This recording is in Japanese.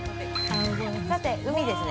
◆さて、海ですね。